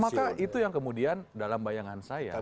maka itu yang kemudian dalam bayangan saya